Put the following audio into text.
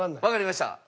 わかりました。